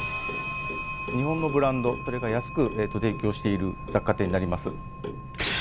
日本のブランド、それを安く提供している雑貨店になります。